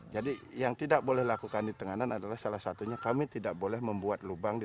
jadi yang tidak boleh lakukan di tenganan adalah salah satunya kami tidak boleh membuat lubang di